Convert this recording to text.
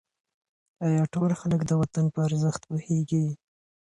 آیا ټول خلک د وطن په ارزښت پوهېږي؟